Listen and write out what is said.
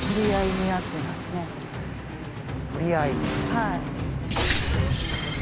はい。